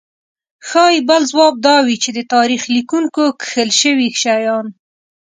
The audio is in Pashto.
ښايي بل ځواب دا وي چې د تاریخ لیکونکو کښل شوي شیان.